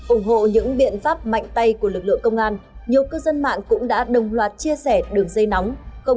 ủng hộ những biện pháp mạnh tay của lực lượng công an nhiều cư dân mạng cũng đã đồng loạt chia sẻ đường dây nóng sáu mươi chín hai trăm ba mươi bốn nghìn năm trăm sáu mươi chín